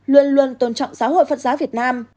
luôn luôn tôn trọng giáo hội phật giáo việt nam